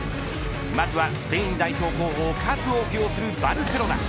まずはスペイン代表候補を数多く擁するバルセロナ。